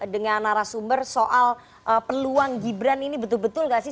dengan narasumber soal peluang gibran ini betul betul gak sih